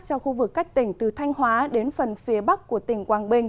cho khu vực các tỉnh từ thanh hóa đến phần phía bắc của tỉnh quảng bình